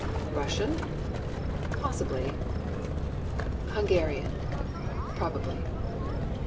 Russian? possibly. Hungarian? probably.